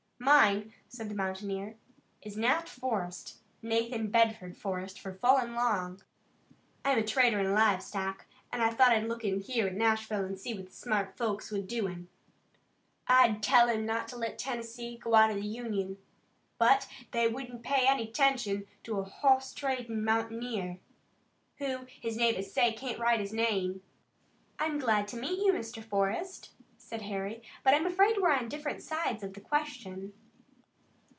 "Mine," said the mountaineer, "is Nat Forrest, Nathan Bedford Forrest for full and long. I'm a trader in live stock, an' I thought I'd look in here at Nashville an' see what the smart folks was doin'. I'd tell 'em not to let Tennessee go out of the Union, but they wouldn't pay any 'tention to a hoss tradin' mountaineer, who his neighbors say can't write his name." "I'm glad to meet you, Mr. Forrest," said Harry, "but I'm afraid we're on different sides of the question."